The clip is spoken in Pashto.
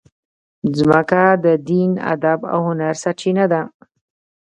مځکه د دین، ادب او هنر سرچینه ده.